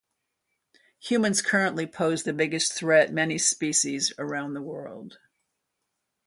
Humans currently pose the biggest threat many species around the world.